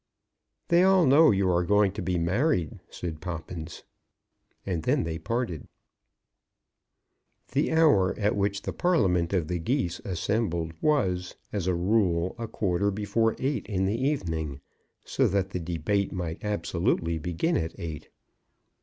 "They all know you are going to be married," said Poppins. And then they parted. The hour at which the parliament of the Geese assembled was, as a rule, a quarter before eight in the evening, so that the debate might absolutely begin at eight.